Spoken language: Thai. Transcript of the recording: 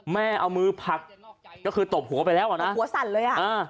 แม่เอามือผลักก็คือตบหัวไปแล้วอ่ะนะหัวสั่นเลยอ่ะอ่า